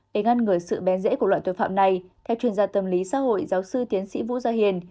để ngăn ngừa sự bén rễ của loại tội phạm này theo chuyên gia tâm lý xã hội giáo sư tiến sĩ vũ gia hiền